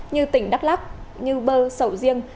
như tỉnh đắk lắk như bơ sầu riêng